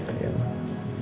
tidak ada apa apa papa